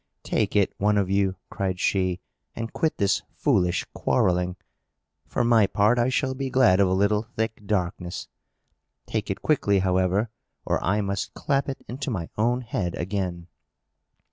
"Take it, one of you," cried she, "and quit this foolish quarrelling. For my part, I shall be glad of a little thick darkness. Take it quickly, however, or I must clap it into my own head again!"